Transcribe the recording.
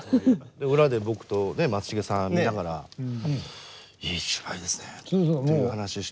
裏で僕と松重さん見ながら「いい芝居ですね」っていう話をして。